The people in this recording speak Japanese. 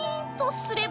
すれば？